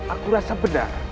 aku rasa benar